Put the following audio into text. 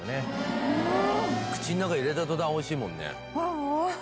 口の中入れた途端美味しいもんね。